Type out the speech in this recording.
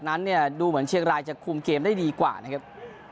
นั้นเนี่ยดูเหมือนเชียงรายจะคุมเกมได้ดีกว่านะครับ